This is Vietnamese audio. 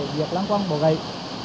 việc lăng quăng bỏ gậy